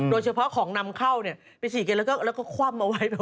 โดยเฉพาะของนำเข้าไปฉีดกันแล้วก็คว่ำเอาไว้